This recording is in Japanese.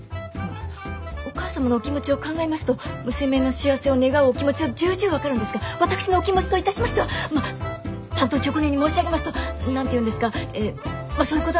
お母様のお気持ちを考えますと娘の幸せを願うお気持ちは重々分かるんですが私のお気持ちといたしましては単刀直入に申し上げますと何て言うんですかえぇまぁそういうことなんです。